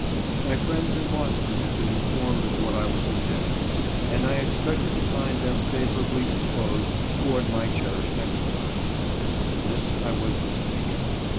^M^friends in Boston had been informed of what I was intending, and I expected to find them favorably disposed toward my cherished enterprise. In this I was mis taken.